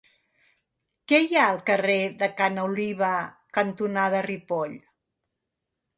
Què hi ha al carrer Ca n'Oliva cantonada Ripoll?